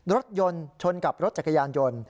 รถยนต์ชนกับรถจักรยานยนต์